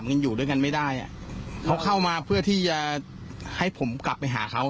ยังอยู่ด้วยกันไม่ได้อ่ะเขาเข้ามาเพื่อที่จะให้ผมกลับไปหาเขา